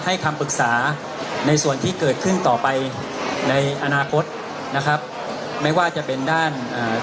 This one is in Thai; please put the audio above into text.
คำปรึกษาในส่วนที่เกิดขึ้นต่อไปในอนาคตนะครับไม่ว่าจะเป็นด้านอ่า